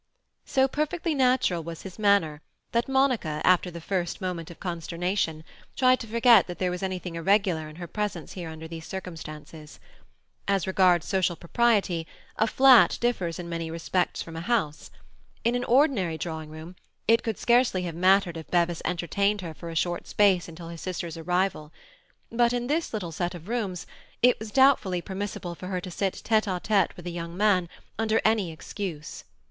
So perfectly natural was his manner, that Monica, after the first moment of consternation, tried to forget that there was anything irregular in her presence here under these circumstances. As regards social propriety, a flat differs in many respects from a house. In an ordinary drawing room, it could scarcely have mattered if Bevis entertained her for a short space until his sisters' arrival; but in this little set of rooms it was doubtfully permissible for her to sit tete a tete with a young man, under any excuse.